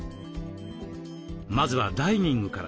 まずはダイニングから。